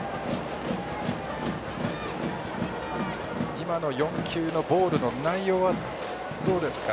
今の４球のボールの内容はどうですか。